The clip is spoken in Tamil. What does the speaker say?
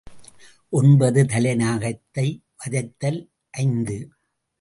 ஒன்பது தலை நாகத்தை வதைத்தல் ஐந்து.